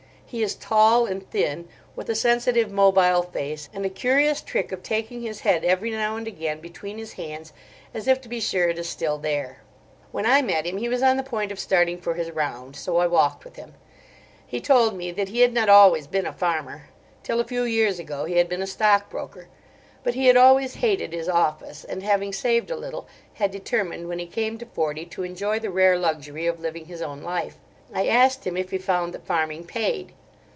He is tall and thin, with a sensitive, mobile face, and a curious trick of taking his head every now and again between his hands, as if to be sure it is still there. When I met him he was on the point of starting for his round, so I walked with him. He told me that he had not always been a farmer. Till a few years ago he had been a stockbroker. But he had always hated his office; and having saved a little, had determined when he came to forty to enjoy the rare luxury of living his own life. I asked him if he found that farming paid.